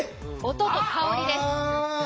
音と香りです。